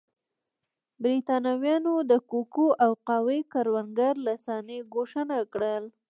برېټانویانو د کوکو او قهوې کروندګر له صحنې ګوښه نه کړل.